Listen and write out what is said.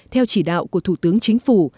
theo chỉ đạo của thủ tướng chính phủ